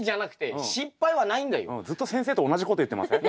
ずっと先生と同じこと言ってません？